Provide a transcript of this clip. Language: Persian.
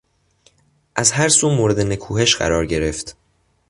از هر سو مورد نکوهش قرار گرفت.